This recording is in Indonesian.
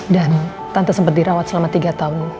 dan tante sempet dirawat selama tiga tahun